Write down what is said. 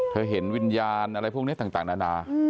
เห็นวิญญาณอะไรพวกนี้ต่างนานา